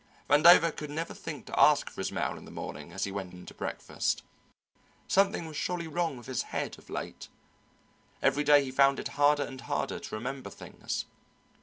Vandover could never think to ask for his mail in the morning as he went in to breakfast. Something was surely wrong with his head of late. Every day he found it harder and harder to remember things.